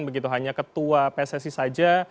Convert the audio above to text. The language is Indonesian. begitu hanya ketua pssi saja